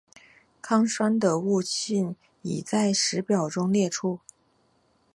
糠醛的物性已在右表中列出。